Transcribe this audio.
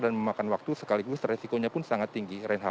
dan memakan waktu sekaligus resikonya pun sangat tinggi